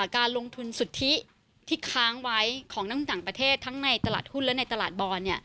การลงทุนสุทธิที่ค้างไว้ของนักต่างประเทศทั้งในตลาดหุ้นและในตลาดบอล